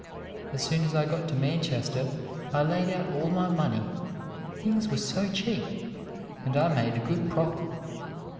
As soon as I got to Manchester, I laid out all my money, things were so cheap, and I made a good profit."